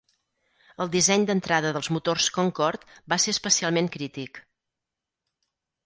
El disseny d'entrada dels motors Concorde va ser especialment crític.